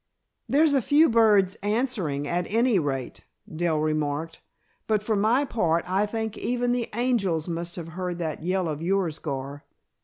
"There's a few birds answering, at any rate," Dell remarked, "but for my part, I think even the angels must have heard that yell of yours, Gar.